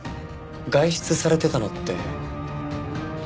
外出されてたのって。